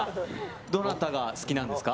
どなたが好きなんですか？